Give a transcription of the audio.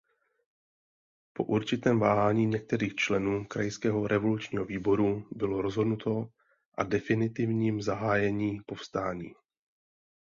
Po určitém váhání některých členů krajského revolučního výboru bylo rozhodnuto a definitivním zahájení povstání.